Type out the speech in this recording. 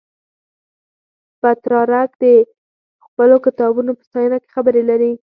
پترارک د خپلو کتابونو په ستاینه کې خبرې لري.